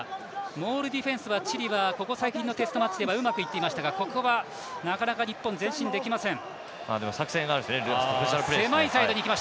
モールディフェンスはチリはここ最近のテストマッチはうまくいっていましたがここは、なかなか日本、前進できません。